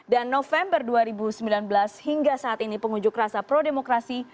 november dua ribu sembilan belas hingga saat ini pengunjuk rasa pro demokrasi